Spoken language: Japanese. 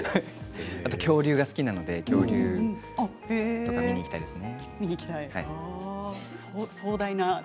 あと恐竜が好きなので恐竜の世界、見に行きたいですね。